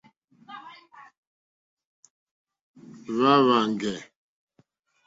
Hwá hwáŋɡè.